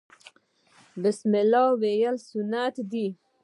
بسم الله ویل سنت دي